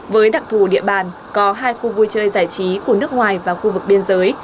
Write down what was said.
với đặc thù địa bàn có hai khu vui chơi giải trí của nước ngoài và khu vực biên giới